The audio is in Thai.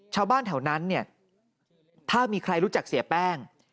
ชาวบ้านแถวนั้นเนี่ยถ้ามีใครรู้จักเสียแป้ง